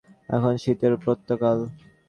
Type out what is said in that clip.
এখন শীতের প্রাতঃকাল।